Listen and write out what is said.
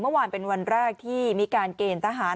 เมื่อวานเป็นวันแรกที่มีการเกณฑ์ทหาร